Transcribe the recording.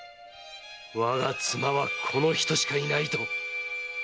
我が妻はこの人しかいないと！